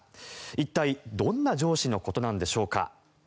一体、どんな上司のことなんでしょうか。